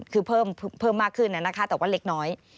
คือเพิ่มมากขึ้นนะคะแต่ว่าเล็กน้อย